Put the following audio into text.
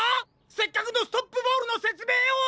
せっかくのストップボールのせつめいを。